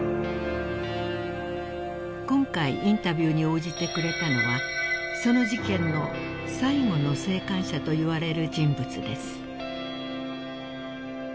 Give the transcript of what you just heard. ［今回インタビューに応じてくれたのはその事件の最後の生還者といわれる人物です］